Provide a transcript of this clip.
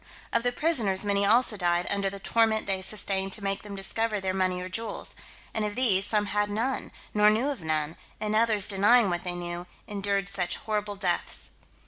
Of the prisoners many also died under the torment they sustained to make them discover their money or jewels; and of these, some had none, nor knew of none, and others denying what they knew, endured such horrible deaths.